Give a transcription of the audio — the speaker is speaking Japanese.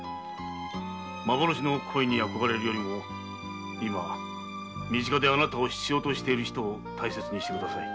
幻の恋に憧れるよりも身近であなたを必要としている人を大切にしてください。